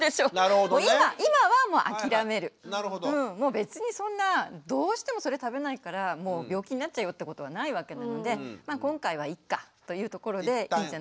別にそんなどうしてもそれ食べないから病気になっちゃうよってことはないわけなので「今回はいっか」というところでいいんじゃないかなと思いますね。